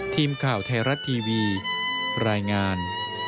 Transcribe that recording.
ทีมข่าวไทยรัฐทีวีรายงาน